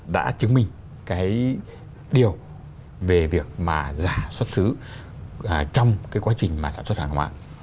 đã chứng minh cái điều về việc mà giả xuất xứ trong cái quá trình mà sản xuất hàng hóa